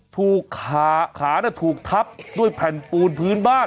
ถูกขาขาถูกทับด้วยแผ่นปูนพื้นบ้าน